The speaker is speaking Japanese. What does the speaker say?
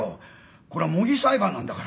これは模擬裁判なんだから。